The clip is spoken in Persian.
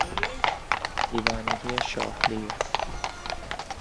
دیوانگی شاه لیر